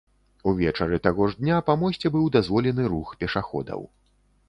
Увечары таго ж дня па мосце быў дазволены рух пешаходаў.